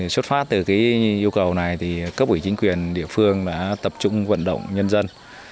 xuất phát từ yêu cầu này thì cấp ủy chính quyền địa phương đã tập trung vận động nhân dân